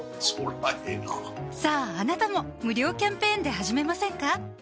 そりゃええなさぁあなたも無料キャンペーンで始めませんか？